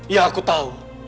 ya aku tahu